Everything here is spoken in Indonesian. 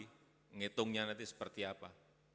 hitungnya nanti seperti apa